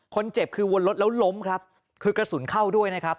คนเจ็บคือวนรถแล้วล้มครับคือกระสุนเข้าด้วยนะครับ